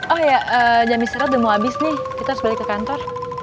oh ya jam istirahat udah mau habis nih kita harus balik ke kantor